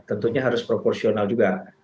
tentunya harus proporsional juga